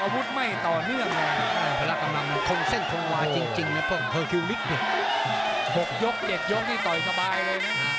บกยกเจ็กยกนี่ต่อยสบายเลยนะ